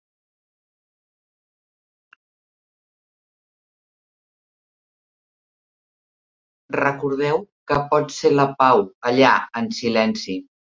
Recordeu què pot ser la pau allà en silenci.